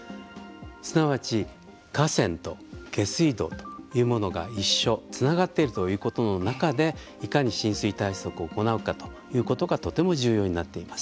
すなわち河川と下水道というものが一緒、つながっているということの中でいかに浸水対策を行うかということがとても重要になっています。